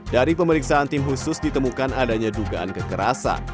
dari pemeriksaan tim khusus ditemukan adanya dugaan kekerasan